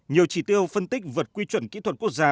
nhiều chỉ tiêu phân tích vượt quy chuẩn kỹ thuật quốc gia